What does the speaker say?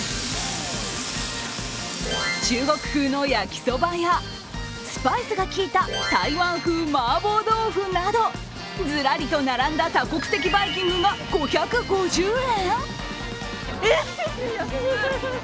中国風の焼きそばや、スパイスがきいた台湾風マーボー豆腐などずらりと並んだ多国籍バイキングが５５０円？